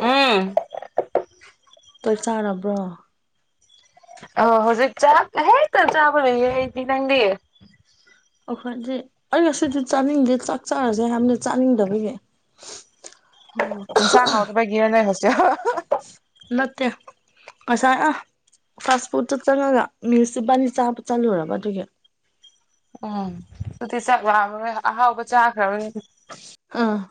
ꯎꯝ ꯆꯥꯛ ꯆꯥꯔꯕ꯭ꯔꯣ ꯑ ꯍꯧꯖꯤꯛ ꯆꯥ ꯍ ꯇ ꯆꯥꯕꯗꯤ ꯅꯪꯗꯤ ꯑꯩꯈꯣꯏꯗꯤ ꯑꯩ ꯉꯁꯤꯗꯤ ꯆꯥꯅꯤꯡꯗꯦ ꯆꯥꯛ ꯆꯥꯔꯁꯦ ꯍꯥꯏꯕꯅꯤ ꯆꯥꯅꯤꯡꯗꯕꯒꯤ ꯎ ꯏꯁꯥꯡ ꯍꯥꯎ ꯇ ꯒꯤꯔꯅꯦ ꯍꯁ ꯅꯠꯇ ꯉꯁꯥꯏ ꯑ ꯐꯥꯁ ꯐꯨꯗꯇ ꯆꯪꯉꯒ ꯃꯤꯁꯦ ꯕꯥꯅꯤ ꯆꯥꯕ ꯆꯠꯂꯨꯔꯕ ꯑꯗꯨꯒꯤ ꯎꯝ ꯗꯨꯗꯤ ꯆꯥꯛ ꯂꯥꯝꯃꯔꯣꯏ ꯑꯍꯥꯎꯕ ꯆꯥꯈ꯭ꯔꯕꯅꯤ__꯫ ꯎꯝ꯫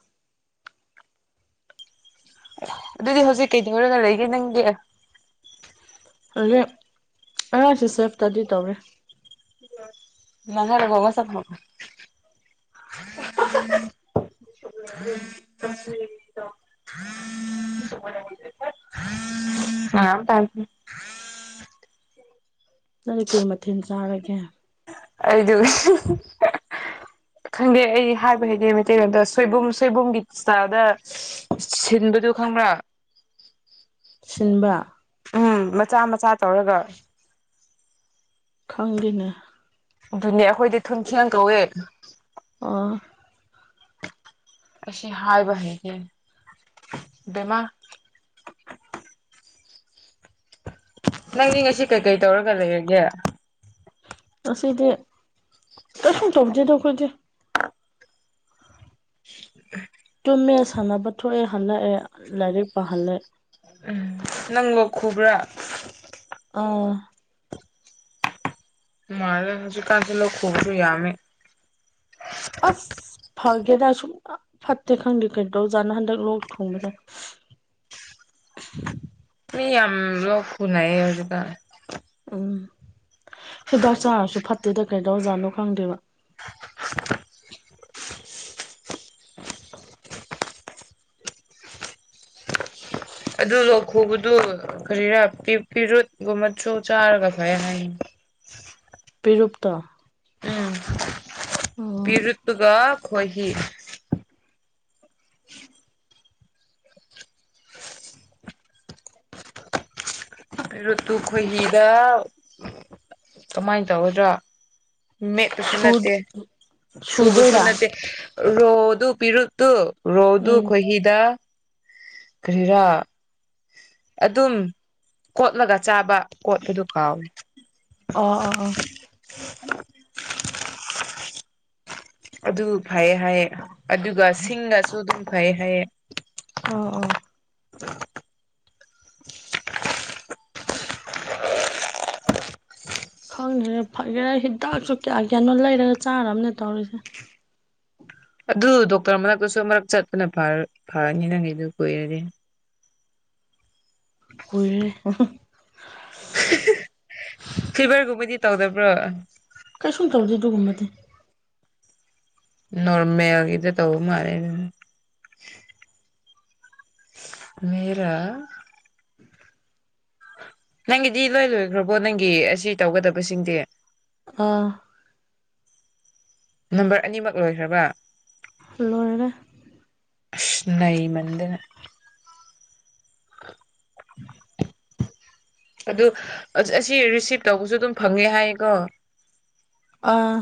ꯑꯗꯨꯗꯤ ꯍꯧꯖꯤꯛ ꯀꯩꯗꯧꯔꯒ ꯂꯩꯒꯦ ꯅꯪꯗꯤ꯫ ꯑꯒꯤ ꯑꯩ_ꯁꯦ ꯁꯦꯐ ꯁꯇꯗꯤ ꯇꯧꯔꯦ꯫ [unintelligible] [unintelligible] [unintelligible] ꯅꯪ ꯀꯩ ꯃꯊꯦꯜ ꯆꯥꯔꯒꯦ꯫ ꯑꯩꯗꯤ ꯎꯍꯨ__꯫ ꯈꯪꯗꯦ ꯑꯩ ꯍꯥꯏꯕ ꯍꯩꯇꯦ ꯃꯩꯇꯩꯂꯣꯟꯗꯣ ꯁꯣꯏꯕꯨꯝ ꯁꯣꯏꯕꯨꯝꯒꯤ ꯁꯇꯥꯏꯜꯗ꯫ ꯁꯤꯟꯕꯗꯨ ꯈꯪꯕ꯭ꯔꯥ꯫ ꯁꯤꯟꯕ꯫ ꯎꯝ ꯃꯆꯥ ꯃꯆꯥ ꯇꯧꯔꯒ꯫ ꯈꯪꯗꯦꯅꯦ꯫ ꯗꯨꯅꯦ ꯑꯩꯈꯣꯏꯗꯤ ꯊꯨꯟꯈꯤꯌꯥꯟ ꯀꯧꯌꯦ꯫ ꯑꯥ꯫ ꯑꯁꯤ ꯍꯥꯏꯕ ꯍꯩꯇꯦ ꯕꯦꯃꯥ꯫ ꯅꯪꯗꯤ ꯉꯁꯤ ꯀꯩꯀꯩ ꯇꯧꯔꯒ ꯂꯩꯔꯒꯦ꯫ ꯉꯁꯤꯗꯤ ꯀꯩꯁꯨꯝ ꯇꯧꯗꯦꯗ ꯑꯩꯈꯣꯏꯗꯤ꯫ [unintelligible] ꯇꯨꯝꯃꯦ ꯁꯥꯟꯅꯕ ꯊꯣꯛꯌꯦ ꯍꯜꯂꯛꯌꯦ ꯂꯥꯏꯔꯤꯛ ꯄꯥꯍꯜꯂꯦ꯫ ꯎꯝ ꯅꯪ ꯂꯣꯛ ꯈꯨꯕꯔꯥ꯫ ꯑꯥꯝ꯫ ꯃꯥꯜꯂꯦ ꯍꯧꯖꯤꯛꯀꯥꯟꯁꯦ ꯂꯣꯛ ꯈꯨꯕꯁꯨ ꯌꯥꯝꯃꯤ꯫ ꯑꯁ ꯐꯒꯦꯔꯥ ꯁꯨꯡ ꯐ ꯐꯠꯇꯦ ꯈꯪꯗꯦ ꯀꯩꯗꯧꯖꯥꯠꯅꯣ ꯍꯟꯗꯛ ꯂꯣꯛ ꯊꯨꯡꯕꯁꯦ꯫ ꯃꯤ ꯌꯥꯝ ꯂꯣꯛ ꯈꯨꯨꯅꯩꯌꯦ ꯍꯧꯖꯤꯛꯀꯥꯟ꯫ ꯎꯝ ꯍꯤꯗꯥꯛ ꯆꯥꯔꯁꯨ ꯐꯠꯇꯦꯗ ꯀꯩꯗꯧꯔꯥ ꯖꯥꯠꯅꯣ ꯈꯪꯗꯦꯕ꯫ ꯑꯗꯨ ꯂꯣꯛ ꯈꯨꯕꯗꯨ ꯀꯔꯤꯔꯥ ꯄꯤ_ ꯄꯤꯔꯨꯠ ꯒꯨꯝꯕꯥꯆꯨ ꯆꯥꯔꯒ ꯐꯩ ꯍꯥꯏꯌꯦꯅꯦ꯫ ꯄꯤꯔꯨꯞꯇꯣ꯫ ꯎꯝ ꯑꯣ ꯄꯤꯔꯨꯠꯇꯨꯒ ꯈꯣꯍꯤ꯫ [unintelligible] ꯔꯨꯠꯇꯨ ꯈꯣꯏꯍꯤꯗ ꯀꯃꯥꯏ ꯇꯧꯒꯗꯔꯥ꯫ ꯃꯦꯠꯄꯁꯨ ꯁꯨ ꯅꯠꯇꯦ ꯁꯨꯕꯁꯨ ꯁꯨꯗꯣꯏꯔꯥ ꯅꯠꯇꯦ ꯔꯣꯗꯨ ꯄꯤꯔꯨꯠꯇꯨ꯫ ꯔꯣꯗꯨ ꯎꯝ ꯈꯣꯏꯍꯤꯗ ꯀꯔꯤꯔꯥ꯫ ꯑꯗꯨꯝ ꯀꯣꯠꯂꯒ ꯆꯥꯕ ꯀꯣꯠꯄꯗꯨ ꯀꯥꯎꯔꯦ꯫ ꯑꯥ ꯑꯥꯑꯥ꯫ [inaudible] ꯑꯗꯨ ꯐꯩꯌꯦ ꯍꯥꯏꯌꯦ ꯑꯗꯨꯒ ꯁꯤꯡꯅꯥꯁꯨ ꯑꯗꯨꯝ ꯐꯩꯌꯦ ꯍꯥꯏꯌꯦ꯫ ꯑꯥ ꯑꯥ꯫ ꯈꯪꯗꯔꯦ ꯐꯒꯦꯔꯥ ꯍꯤꯗꯥꯛꯁꯨ ꯀꯌꯥ ꯀꯌꯥꯅꯣ ꯂꯩꯔꯒ ꯆꯥꯔꯕꯅꯦ ꯇꯧꯔꯤꯁꯦ꯫ ꯑꯗꯨ ꯗꯣꯛꯇꯔ ꯃꯅꯥꯛꯇꯁꯨ ꯑꯃꯥꯔꯛ ꯆꯠꯄꯅ ꯐꯔꯥ_ꯐꯅꯤ ꯅꯪꯒꯤꯗꯣ ꯀꯨꯏꯔꯗꯤ꯫ ꯀꯨꯏꯔꯦ ꯍꯍꯥ꯫ ꯐꯤꯚꯔ ꯒꯨꯝꯕꯗꯤ ꯇꯧꯗꯕ꯭ꯔꯣ꯫ ꯀꯩꯁꯨꯝ ꯇꯧꯗꯦ ꯗꯨꯒꯨꯝꯕꯗꯤ꯫ ꯅꯣꯔꯃꯦꯜꯒꯤꯗ ꯇꯧꯕ ꯃꯥꯜꯂꯦ ꯑꯗꯨ__꯫ ꯃꯦꯔꯥ꯫ ꯅꯪꯒꯤꯗꯤ ꯂꯣꯏ ꯂꯣꯏꯒꯔꯥꯕꯣ ꯅꯪꯒꯤ ꯑꯁꯤ ꯇꯧꯒꯗꯕꯁꯤꯡꯗꯤ꯫ ꯑꯥ꯫ ꯅꯝꯕꯔ ꯑꯅꯤꯃꯛ ꯂꯣꯏꯈ꯭ꯔꯕ꯫ ꯂꯣꯏꯔꯔꯦ ꯅꯃꯗꯅ ꯎ ꯑꯗꯨ ꯑꯁꯤ ꯔꯤꯁꯤꯞ ꯇꯧꯕꯁꯨ ꯑꯗꯨꯝ ꯐꯪꯉꯦ ꯍꯥꯏꯌꯦꯀꯣ ꯑꯥ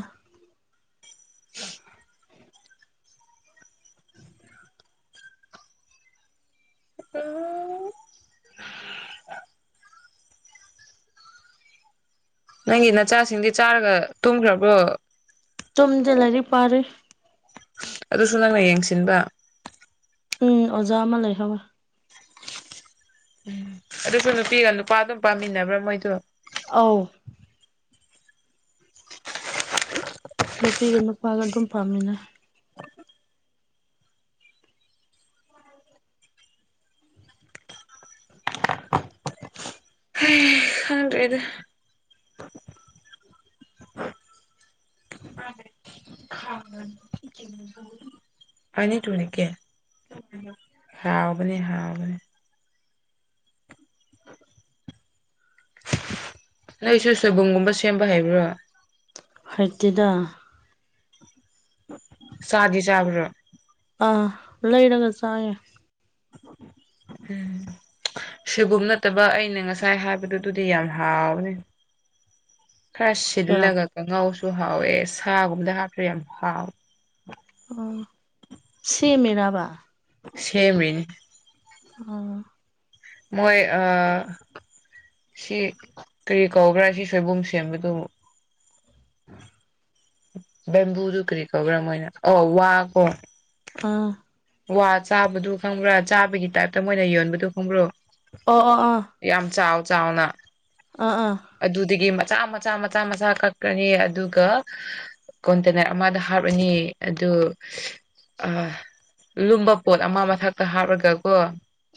ꯎ ꯅꯪꯒꯤ ꯅꯆꯥꯁꯤꯡꯗꯤ ꯆꯥꯔꯒ ꯇꯨꯝꯒꯔꯕꯣ꯫ ꯆꯨꯝꯗꯂꯔꯤ ꯄꯥꯔ ꯑꯗꯨꯁꯨ ꯅꯪꯅ ꯌꯦꯡꯁꯤꯟꯕ ꯎꯝ ꯑꯣꯖꯥ ꯑꯃ ꯂꯩꯍꯧꯋꯦ ꯎꯝ ꯑꯗꯨꯁꯨ ꯅꯨꯄꯤꯒ ꯅꯨꯄꯥ ꯑꯗꯨꯝ ꯄꯥꯝꯃꯤꯟꯅꯕ꯭ꯔꯥ ꯃꯣꯏꯗꯣ ꯑꯧ ꯅꯨꯄꯤꯒ ꯅꯨꯄꯥꯒ ꯑꯗꯨꯝ ꯄꯥꯝꯃꯤꯅ ꯍ ꯑꯗꯨ [unintelligible] ꯄꯅꯤꯗꯨꯨꯅꯤ ꯀꯦ ꯍꯥꯎꯕꯅꯦ ꯍꯥꯎꯕꯅꯦ ꯅ ꯅ ꯑꯩꯁꯨ ꯁꯣꯏꯕꯨꯝꯒꯨꯝꯕ ꯁꯦꯝꯕ ꯍꯥꯏꯕ꯭ꯔꯣ ꯍꯥꯏꯛꯇꯦꯗ ꯁꯥꯗꯤ ꯆꯕ꯭ꯔ ꯑꯥ ꯂꯩꯔꯒ ꯆꯥꯏꯌꯦꯦ ꯍꯝ ꯁꯤꯒꯨꯝ ꯅꯠꯇꯕ ꯑꯩꯅ ꯉꯁꯥꯏ ꯍꯥꯏꯕꯗꯨꯗꯨꯗꯤ ꯌꯥꯝ ꯍꯥꯎꯋꯦ ꯈꯔ ꯀꯅꯥ ꯁꯤꯜꯂꯒ ꯀꯥꯡꯉꯥꯎꯁꯨ ꯍꯥꯎꯋꯦ ꯁꯥꯒꯨꯝꯕꯗ ꯍꯥꯞꯁꯨ ꯌꯥꯝ ꯍꯥꯎꯋꯦ ꯑꯣ ꯁꯤꯃꯤꯔꯥꯕ ꯁꯦꯝꯔꯤꯅꯦ ꯑꯥ ꯃꯣꯏ ꯑ ꯁꯤ ꯀꯔꯤ ꯀꯧꯒ꯭ꯔꯥ ꯁꯤ ꯁꯣꯏꯕꯨꯝ ꯁꯦꯝꯕꯗꯨ ꯕꯦꯝꯕꯨꯗꯨ ꯀꯔꯤ ꯀꯧꯕ꯭ꯔꯥ ꯃꯣꯏꯅ ꯑ ꯋꯥ ꯀꯣ ꯑꯥ ꯋꯥ ꯆꯥꯕꯗꯨ ꯈꯪꯕ꯭ꯔꯥ ꯆꯥꯕꯒꯤ ꯇꯥꯏꯞꯇ ꯃꯣꯏꯅ ꯌꯣꯟꯕꯗꯨ ꯈꯪꯕ꯭ꯔꯣ ꯑꯣ ꯑ ꯑꯥ ꯌꯥꯝ ꯆꯥꯎ ꯆꯥꯎꯅ ꯑꯥ ꯑꯥ ꯑꯗꯨꯗꯒꯤ ꯃꯆꯥ ꯃꯆꯥ ꯃꯆꯥ ꯃꯆꯥ ꯀꯛꯀꯅꯤ ꯑꯗꯨꯒ ꯀꯣꯟꯇꯦꯅꯔ ꯑꯃꯗ ꯍꯥꯞꯂꯅꯤ ꯑꯗꯨ ꯑ ꯂꯨꯝꯕ ꯄꯣꯠ ꯑꯃ ꯃꯊꯛꯇ ꯍꯥꯞꯂꯒꯀꯣ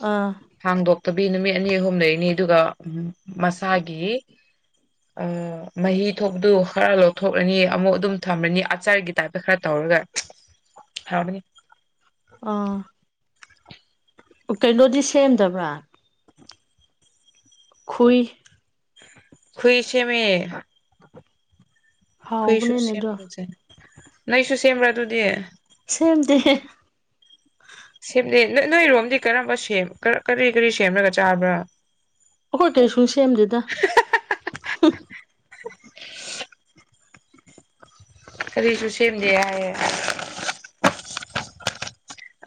ꯑꯥ ꯍꯥꯡꯗꯣꯛꯇꯕꯤ ꯅꯨꯃꯤꯠ ꯑꯅꯤ ꯑꯍꯨꯝꯗꯅꯤ ꯑꯗꯨꯒ ꯃꯁꯥꯒꯤ ꯃꯍꯤ ꯊꯣꯛꯇ ꯈꯔ ꯂꯧꯊꯣꯛꯂꯅꯤ ꯑꯃꯨꯛ ꯑꯗꯨꯝ ꯊꯝꯃꯅꯤ ꯑꯆꯥꯔꯒꯤ ꯇꯥꯏꯞꯇ ꯈꯔ ꯇꯧꯔꯒ [inaudible] ꯍꯥꯎꯅꯤ ꯑꯥ ꯀꯩꯅꯣꯗꯤ ꯁꯦꯝꯗꯕ꯭ꯔꯥ ꯈꯨꯏ ꯈꯨꯏꯁꯦ ꯃꯦ ꯈꯨꯏꯁꯨ ꯍꯥꯎꯕꯅꯤꯅꯦ ꯑꯗꯣ [unintelligible] ꯅꯪꯁꯨ ꯁꯦꯝꯕ꯭ꯔꯥ ꯑꯗꯨꯗꯤ ꯁꯦꯝꯗꯤ ꯁꯦꯝꯅꯩ ꯅꯣꯏ ꯅꯣꯏꯔꯣꯝꯗꯤ ꯀꯔꯝꯕ ꯀꯔꯤ ꯀꯔꯤ ꯁꯦꯝꯂꯒ ꯆꯥꯕ꯭ꯔꯥ ꯑꯩꯈꯣꯏ ꯀꯩ ꯁꯨꯝ ꯁꯦꯝꯗꯦꯗ ꯀꯔꯤꯁꯨꯨ ꯁꯦꯝꯗꯦ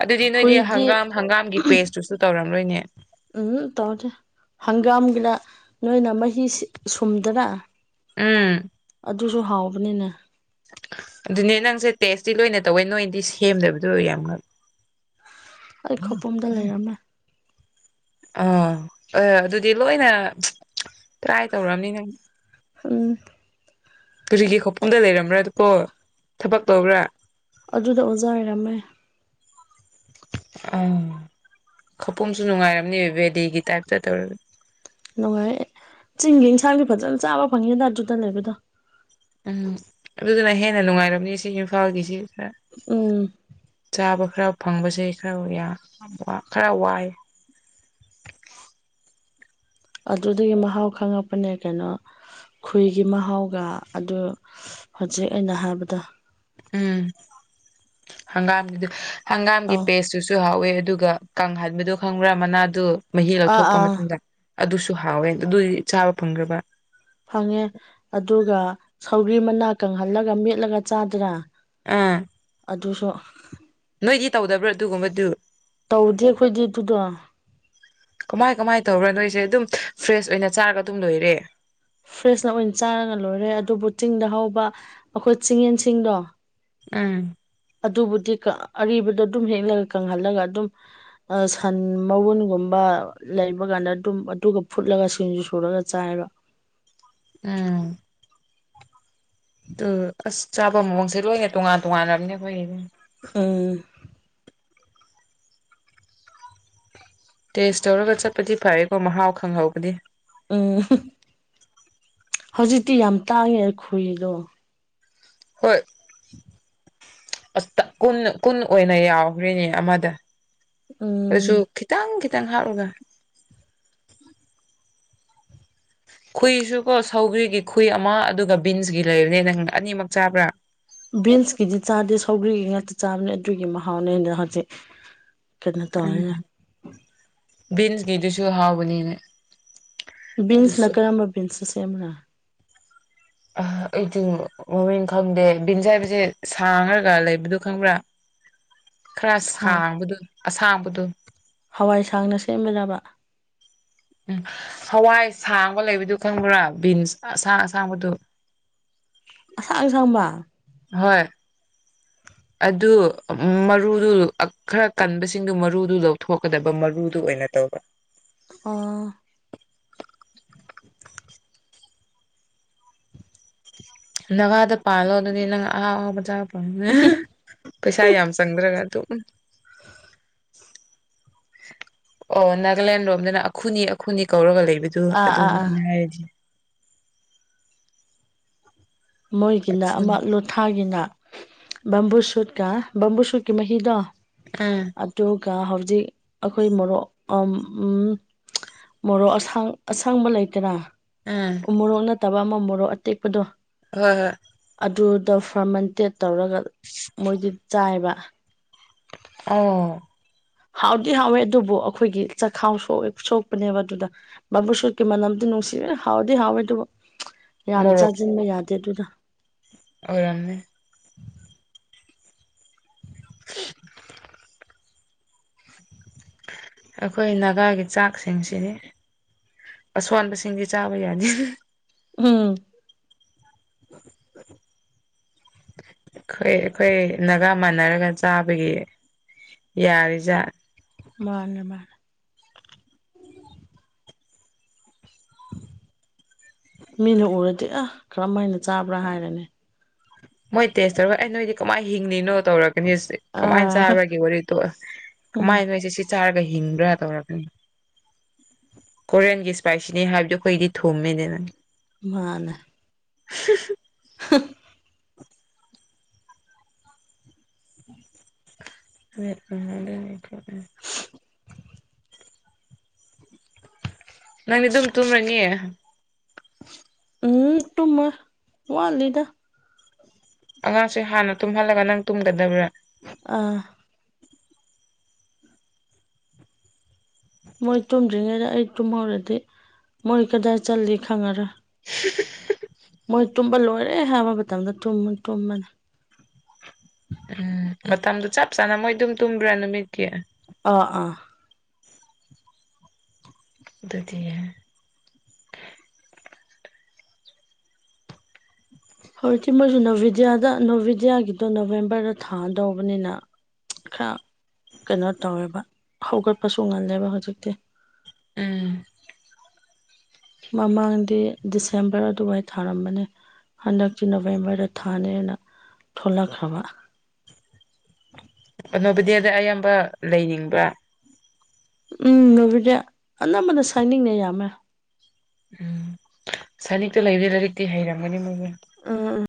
ꯑꯗꯨꯗꯤ ꯅꯣꯏꯗꯤ ꯈꯣꯏꯗꯤ ꯍꯪꯒꯥꯝ ꯍꯪꯒꯥꯝꯒꯤ ꯄꯦꯁꯇꯨꯁꯨ ꯇꯧꯔꯝꯂꯣꯏꯅꯦ ꯎꯝ ꯇꯧꯗꯦ ꯍꯪꯒꯥꯝꯒꯤꯅ ꯅꯣꯏꯅ ꯃꯍꯤꯁꯤ ꯁꯨꯝꯗꯔ ꯎꯝ ꯑꯗꯨꯁꯨ ꯍꯥꯎꯕꯅꯤꯅ‌ꯦ ꯑꯗꯨꯅꯦ ꯅꯪꯁꯦ ꯇꯦꯁꯇꯤ ꯂꯣꯏꯅ ꯇꯧꯋꯦ ꯅꯣꯏꯗꯤ ꯁꯦꯝꯗꯕꯗꯣ ꯌꯥꯝ ꯑꯩ ꯈꯧꯄꯨꯝꯗ ꯂꯩꯔꯝꯃꯦ ꯑꯥ ꯍꯣꯏꯣꯏ ꯑꯗꯨꯗꯤ ꯂꯣꯏꯅ ꯇ꯭ꯔꯥꯏ ꯇꯧꯔꯝꯅꯤ ꯅꯪ ꯎꯝ ꯇꯨꯔꯤꯒꯤ ꯈꯣꯛꯄꯨꯝꯗ ꯂꯩꯔꯝꯕ꯭ꯔꯥ ꯀꯣ ꯊꯕꯛ ꯇꯧꯕ꯭ꯔꯥ ꯑꯗꯨꯗ ꯑꯣꯖꯥ ꯑꯣꯏꯔꯝꯃꯦ ꯑ ꯈꯧꯄꯨꯝꯁꯨ ꯅꯨꯡꯉꯥꯏꯔꯝꯅꯦꯕ ꯕꯦꯗꯤꯒꯤ ꯇꯥꯏꯞꯇ ꯇꯧꯔꯒ ꯅꯨꯡꯉꯥꯏ ꯑꯦ ꯆꯤꯡꯒꯤ ꯏꯟꯁꯥꯡꯗꯤ ꯐꯖꯅ ꯆꯥꯕ ꯐꯪꯉꯦꯗ ꯑꯗꯨꯗꯂꯩꯕꯗꯣ ꯎꯝ ꯑꯗꯨꯗꯨꯅ ꯍꯦꯟꯅ ꯅꯨꯡꯉꯥꯏꯔꯝꯅꯤ ꯁꯤ ꯏꯝꯐꯥꯜꯒꯤꯁꯤ ꯈꯔ ꯎꯝ ꯆꯥꯕ ꯈꯔ ꯐꯪꯕꯁꯦ ꯈꯔ ꯈꯔ ꯋꯥꯏ ꯑꯗꯨꯗꯒꯤ ꯃꯍꯥꯎ ꯈꯪꯉꯛꯄꯅꯦ ꯀꯩꯅꯣ ꯈꯣꯏꯒꯤ ꯃꯍꯥꯎꯒ ꯑꯗꯨ ꯍꯧꯖꯤꯛ ꯑꯩꯅ ꯍꯥꯏꯕꯗ ꯎꯝ ꯍꯪꯒꯥꯝꯒꯤ ꯍꯪꯒꯥꯝꯒꯤ ꯑꯥ ꯄꯦꯁꯇꯨꯁꯨ ꯍꯥꯎꯋꯦ ꯑꯗꯨꯒ ꯀꯥꯡꯍꯥꯏꯕꯗꯨ ꯈꯪꯕ꯭ꯔꯥ ꯃꯅꯥꯗꯨ ꯃꯍꯤ ꯑꯥ ꯂꯧꯊꯣꯛꯄ ꯑꯥ ꯃꯇꯨꯡꯗ ꯑꯗꯨꯁꯨ ꯍꯥꯎꯋꯦ ꯑꯗꯨꯗꯤ ꯆꯥꯕ ꯐꯪꯈ꯭ꯔꯕ ꯐꯪꯉꯦ ꯑꯗꯨꯒ ꯁꯧꯔꯤ ꯃꯅꯥ ꯀꯪꯍꯜꯂꯒ ꯃꯦꯠꯂꯒ ꯆꯥꯗꯔꯥ ꯑꯥ ꯑꯗꯨꯁꯨ ꯅꯣꯏꯗꯤ ꯇꯧꯗꯕ꯭ꯔꯥ ꯑꯗꯨꯒꯨꯝꯕꯗꯨ ꯇꯧꯗꯦ ꯑꯩꯈꯣꯏꯗꯤ ꯑꯗꯨꯗꯣ ꯀꯃꯥꯏ ꯀꯃꯥꯏ ꯇꯧꯕ ꯅꯣꯏꯁꯦ ꯑꯗꯨꯝ ꯐ꯭ꯔꯦꯁ ꯑꯣꯏꯅ ꯆꯥꯔꯒ ꯑꯗꯨꯝ ꯂꯣꯏꯔꯦ ꯐ꯭ꯔꯦꯁꯅ ꯑꯣꯏꯅ ꯆꯥꯔꯒ ꯂꯣꯏꯔꯦ ꯑꯗꯨꯕꯨ ꯆꯤꯡꯗ ꯍꯧꯕ ꯑꯩꯈꯣꯏ ꯆꯤꯡꯌꯦꯟꯁꯤꯡꯗꯣ ꯎꯝ ꯑꯗꯨꯕꯨꯗꯤ ꯑꯔꯤꯕꯗꯣ ꯑꯗꯨꯝ ꯍꯦꯛꯂꯒ ꯀꯪꯍꯜꯂꯒ ꯑꯗꯨꯝ ꯁꯟ ꯃꯒꯨꯟꯒꯨꯝꯕ ꯂꯩꯕ ꯀꯥꯟꯗ ꯑꯗꯨꯝ ꯑꯗꯨꯒ ꯐꯨꯠꯂꯒ ꯁꯤꯡꯖꯨ ꯁꯨꯔꯒ ꯆꯥꯏꯕ ꯎꯝ ꯑ ꯑꯁ ꯆꯥꯕ ꯃꯑꯣꯡꯁꯦ ꯂꯣꯏꯅ ꯇꯣꯉꯥꯟ ꯇꯣꯉꯥꯟꯅꯦ ꯑꯩꯈꯣꯏꯒꯤ ꯎꯝ ꯇꯦꯁ ꯇꯧꯔꯒ ꯆꯠꯄꯗꯤ ꯐꯔꯀꯣ ꯃꯍꯥꯎ ꯈꯪꯍꯧꯕꯗꯤ ꯎꯝ ꯍꯧꯖꯤꯛꯇꯤ ꯌꯥꯝ ꯇꯥꯡꯉꯦꯈꫭꯔꯤꯗꯣ ꯍꯣꯏ ꯑ ꯀꯟ ꯀꯟ ꯑꯣꯏꯅ ꯌꯥꯎꯈꯔꯤꯅꯦ ꯑꯃꯗ ꯎꯝ ꯑꯗꯨꯁꯨ ꯈꯤꯇꯪ ꯈꯤꯇꯪ ꯍꯥꯞꯂꯒ ꯈꯨꯨꯏꯁꯨ ꯀꯣ ꯁꯧꯒꯔꯤꯒꯤ ꯈꯨꯨꯏ ꯑꯃ ꯑꯗꯨꯒ ꯕꯤꯟꯁꯀꯤ ꯂꯩꯕꯅꯦ ꯅꯪ ꯑꯅꯤꯃꯛ ꯆꯥꯕ꯭ꯔꯥ ꯕꯤꯟꯁꯀꯤꯗꯤ ꯆꯥꯗꯦ ꯁꯧꯒ꯭ꯔꯤꯒꯤ ꯉꯥꯛꯇ ꯆꯥꯕꯅꯦ ꯑꯗꯨꯒꯤ ꯃꯍꯥꯎꯅꯦ ꯍꯧꯖꯤꯛ ꯀꯩꯅꯣ ꯇꯧꯔꯦꯅ ꯎꯝ ꯕꯤꯟꯁꯒꯤꯗꯨꯁꯨ ꯍꯥꯎꯕꯅꯤꯅꯦ ꯕꯤꯟꯁꯅ ꯑꯗꯨꯁꯨ ꯀꯔꯝꯕ ꯕꯤꯟꯁꯅ ꯁꯦꯝꯕꯔ ꯑ ꯑꯩꯗꯤ ꯃꯃꯤꯡ ꯈꯪꯗꯦ ꯕꯤꯟꯁ ꯍꯥꯏꯕꯁꯦ ꯁꯥꯡꯉ꯭ꯔꯒ ꯂꯩꯕꯗꯣ ꯈꯪꯕ꯭ꯔꯥ ꯈꯔ ꯁꯥꯡ ꯁꯥꯡꯕꯗꯣ ꯑꯁꯥꯡꯕꯗꯣ ꯍꯋꯥꯏ ꯁꯥꯡꯅ ꯁꯦꯝꯕꯔꯕ ꯎꯝ ꯍꯋꯥꯏ ꯁꯥꯡꯕ ꯂꯩꯕꯗꯨ ꯈꯪꯕ꯭ꯔꯥ ꯕꯤꯟꯁ ꯑꯁꯥꯡ ꯑꯁꯥꯡꯕꯗꯨ ꯑꯁꯥꯡ ꯁꯥꯡꯕ ꯍꯣꯏ [inaudible] ꯑꯗꯨ ꯃꯔꯨꯗꯨ ꯈꯔ ꯀꯟꯕꯁꯤꯡꯗꯨ ꯃꯔꯨꯗꯨ ꯂꯧꯊꯣꯛꯀꯗꯕ ꯃꯔꯨꯗꯨ ꯑꯣꯏꯅ ꯇꯧꯕ ꯑꯥ ꯅꯥꯒꯥꯗ ꯄꯥꯜꯂꯣ ꯑꯗꯨꯗꯤ ꯅꯪ ꯑꯍꯥꯎ ꯑꯍꯥꯎꯕ ꯆꯥꯕ ꯐꯪꯕꯅꯦ꯫ ꯄꯩꯁꯥ ꯌꯥꯝ ꯆꯪꯗ꯭ꯔꯒ ꯑꯗꯨꯝ ꯑꯣ ꯅꯥꯒꯥꯂꯦꯟ ꯂꯣꯝꯗꯅ ꯑꯈꯨꯅꯤ ꯑꯈꯨꯅꯤ ꯀꯧꯔꯒ ꯂꯩꯕꯗꯨ ꯑꯥ ꯑꯥ ꯑꯗꯨꯅꯤ ꯑꯥ ꯑꯩꯅ ꯍꯥꯏꯔꯗꯤ ꯃꯣꯏꯒꯤꯗ ꯑꯃ ꯑꯈꯨꯅꯤ ꯂꯨꯠ ꯊꯥꯒꯤꯅ ꯕꯝꯕꯨ ꯁꯨꯠꯀ ꯕꯝꯕꯨ ꯁꯨꯠꯀꯤ ꯃꯍꯤꯗꯣ ꯎꯝ ꯑꯗꯨꯒ ꯍꯧꯖꯤꯛ ꯑꯩꯈꯣꯏ ꯃꯣꯔꯣꯛ ꯎꯝ ꯃꯣꯔꯣꯛ ꯑꯁꯥꯡ ꯑꯁꯪꯕ ꯂꯩꯇꯅ ꯎꯝ ꯃꯣꯔꯣꯛ ꯅꯠꯇꯕ ꯑꯃ ꯃꯣꯔꯣꯛ ꯑꯇꯦꯛꯄꯗꯣ ꯍꯣꯏ ꯍꯣꯏ ꯑꯗꯨꯗ ꯐꯔꯃꯦꯟꯇꯦꯠ ꯇꯧꯔꯒ ꯃꯣꯏꯗꯤ ꯆꯥꯏꯕ ꯑꯥ ꯍꯥꯎꯗꯤ ꯍꯥꯎꯋꯦ ꯑꯗꯨꯕꯨ ꯑꯩꯈꯣꯏꯒꯤ ꯆꯈꯥꯎ ꯁꯣꯛꯑꯦ ꯁꯣꯛꯄꯅꯦꯕ ꯑꯗꯨꯗ ꯕꯥꯕꯨ ꯁꯠꯀꯤ ꯃꯅꯝꯇ ꯅꯨꯡꯁꯤꯔꯦ ꯍꯥꯎꯗꯤ ꯍꯥꯎꯋꯦ ꯑꯗꯨꯕꯨ ꯌꯥꯝ ꯃꯣꯔꯣꯛ ꯆꯥꯁꯤꯟꯕ ꯌꯥꯗꯦ ꯑꯗꯨꯗ ꯑꯣꯏꯔꯝꯅꯤ ꯁꯤꯠ ꯑꯩꯈꯣꯏ ꯅꯥꯒꯥꯒꯤ ꯆꯥꯛꯁꯤꯡꯁꯤꯅꯤ ꯑꯁꯣꯟꯕꯁꯤꯡꯗꯤ ꯆꯥꯕ ꯌꯥꯗꯦ ꯎꯝ ꯑꯩꯈꯣꯏ ꯑꯩꯈꯣꯏ ꯅꯥꯒꯥ ꯃꯥꯟꯅꯔꯒ ꯆꯥꯕꯒꯤ ꯌꯥꯔꯤꯖꯠꯅꯤ ꯃꯥꯅꯦ ꯃꯥꯅꯦ ꯃꯤꯅ ꯎꯔꯗꯤ ꯑ ꯀꯔꯝ ꯍꯥꯏꯅ ꯆꯥꯕ꯭ꯔꯥ ꯍꯥꯏꯔꯅꯤ ꯃꯣꯏ ꯇꯦꯁ ꯇꯧꯔꯒ ꯑꯩ ꯅꯣꯏꯗꯤ ꯀꯃꯥꯏꯅ ꯍꯤꯡꯂꯤꯅꯣ ꯇꯧꯔꯛ ꯀꯁ ꯀꯃꯥꯏꯅ ꯑꯥ ꯆꯥꯕ꯭ꯔꯒꯦ ꯋꯥꯔꯤꯗꯣ ꯎꯝ ꯀꯃꯥꯏꯅꯣꯏꯁꯦ ꯁꯤ ꯆꯥꯔꯒ ꯍꯤꯡꯕ꯭ꯔꯥ ꯇꯧꯔꯛꯀꯅꯤ ꯀꯣꯔꯤꯌꯟꯒꯤ ꯏꯁꯄꯥꯏꯁꯤꯅꯤ ꯍꯥꯏꯕꯗꯨ ꯑꯩꯈꯣꯏꯗꯤ ꯊꯨꯝꯃꯦꯅꯦ ꯅ ꯃꯥꯅꯦ ꯍꯨꯝ ꯍꯨꯝ [unintelligible] ꯍꯨꯡ [unintelligible] ꯅꯪꯗꯤ ꯑꯗꯨꯝ ꯇꯨꯝꯔꯅꯤ ꯎꯝ ꯇꯨꯝꯃꯣꯏ ꯋꯥꯠꯂꯤꯗ ꯑꯉꯥꯡꯁꯤꯡ ꯍꯥꯟꯅ ꯇꯨꯝꯍꯜꯂꯒ ꯅꯪ ꯇꯨꯝꯒꯗꯕ꯭ꯔꯥ ꯑꯥ ꯃꯣꯏ ꯇꯨꯝꯗ꯭ꯔꯤꯉꯩꯗ ꯑꯩ ꯇꯨꯝꯍꯧꯔꯗꯤ ꯃꯣꯏ ꯀꯗꯥꯏ ꯆꯜꯂꯤ ꯈꯪꯉꯔꯣꯏ [unintelligible] ꯃꯣꯏ ꯇꯨꯝꯕ ꯂꯣꯏꯔꯦ ꯍꯥꯏꯕ ꯃꯇꯝꯗ ꯇꯨꯝꯃ ꯇꯨꯝꯃꯅꯤ ꯎꯝ ꯃꯇꯝꯗꯨ ꯆꯞ ꯆꯥꯅ ꯃꯣꯏ ꯑꯗꯨꯝ ꯇꯨꯝꯕ꯭ꯔꯥ ꯅꯨꯃꯤꯠꯀꯤ ꯑꯥ ꯑꯥ ꯑꯗꯨꯗꯤꯅꯦ ꯍꯧꯖꯤꯛꯇꯤ ꯃꯣꯏꯁꯨ ꯅꯣꯚꯦꯗꯤꯌꯥꯗ ꯅꯣꯚꯦꯗꯤꯌꯥꯒꯤꯗꯣ ꯅꯣꯕꯦꯝꯕꯔꯗ ꯊꯥꯗꯧꯕꯅꯤꯅ ꯈꯔ ꯀꯩꯅꯣ ꯇꯧꯋꯦꯕ ꯍꯧꯒꯠꯄꯁꯨ ꯉꯜꯂꯦꯕ ꯍꯧꯖꯤꯛꯇꯤ ꯎꯝ ꯃꯃꯥꯡꯗꯤ ꯗꯤꯁꯦꯝꯕꯔ ꯑꯗꯨꯋꯥꯏ ꯊꯥꯔꯝꯕꯅꯤ ꯍꯟꯗꯛꯇꯤ ꯅꯣꯕꯦꯝꯕꯔꯗ ꯊꯥꯅꯦꯅ ꯊꯣꯛꯂꯛꯈ꯭ꯔꯕ ꯅꯣꯚꯣꯗꯤꯌꯥꯗ ꯑꯌꯥꯝꯕ ꯂꯩꯅꯤꯡꯕ꯭ꯔꯥ ꯎꯝ ꯅꯣꯚꯣꯗꯤꯌꯥ ꯑꯅꯝꯕꯅ ꯁꯥꯏꯅꯤꯛꯅ ꯌꯥꯝꯃꯦ ꯎꯝ ꯁꯅꯤꯛꯇ ꯂꯩꯔꯦ ꯂꯥꯏꯔꯤꯛꯇꯤ ꯍꯩꯔꯝꯒꯅꯤ ꯃꯣꯏꯗꯨ ꯎꯝ